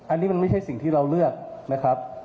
อันนี้มันไม่ใช่สิ่งที่เราเลือกนะครับ